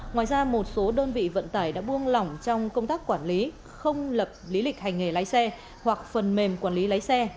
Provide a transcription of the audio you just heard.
ngoài ra một số đơn vị vận tải đã buông lỏng trong công tác quản lý không lập lý lịch hành nghề lái xe hoặc phần mềm quản lý lái xe